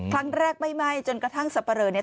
ครั้งแรกไม่ไหม้จนกระทั่งสับปะเลอเนี่ย